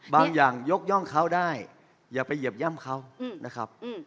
บางอย่างยกย่องเขาได้อย่าไปเหยียบย่ำเขานะครับ